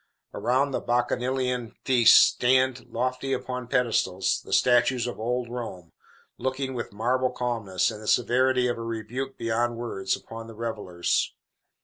Around the bacchanalian feast stand, lofty upon pedestals, the statues of old Rome, looking, with marble calmness and the severity of a rebuke beyond words, upon the revellers.